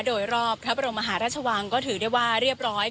โดยรอบพระบรมมหาราชวังก็ถือได้ว่าเรียบร้อย